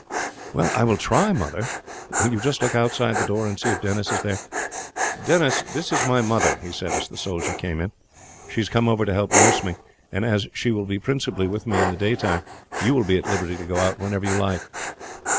"Well, I will try, mother. Will you just look outside the door and see if Denis is there? Denis, this is my mother," he said as the soldier came in. "She has come over to help nurse me; and as she will be principally with me in the daytime, you will be at liberty to be out whenever you like."